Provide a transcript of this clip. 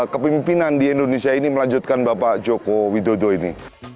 kepimpinan di indonesia ini melanjutkan bapak joko widodo ini